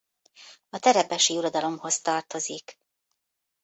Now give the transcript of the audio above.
A terebesi uradalomhoz tartozik.